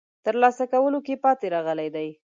ترلاسه کولو کې پاتې راغلي دي.